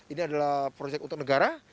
ini adalah proyek untuk negara